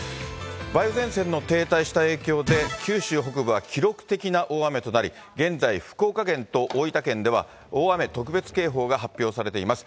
梅雨前線の停滞した影響で、九州北部は記録的な大雨となり、現在、福岡県と大分県では、大雨特別警報が発表されています。